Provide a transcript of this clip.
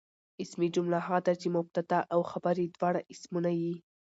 اسمي جمله هغه ده، چي مبتدا او خبر ئې دواړه اسمونه يي.